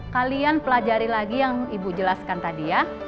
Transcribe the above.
jangan berhenti lagi yang ibu jelaskan tadi ya